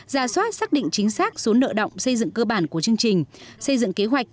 ra soát xác định chính xác số nợ động xây dựng cơ bản của chương trình xây dựng kế hoạch